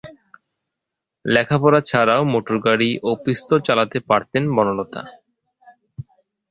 লেখাপড়া ছাড়াও মোটরগাড়ি ও পিস্তল চালাতে পারতেন বনলতা।